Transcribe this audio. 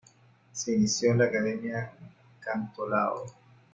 Se inició en la Academia Cantolao.